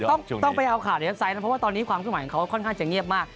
ต้องไปเอาข่าวในเว็บไซต์นะเพราะว่าตอนนี้ความขึ้นใหม่ของเขาค่อนข้างจะเงียบมาก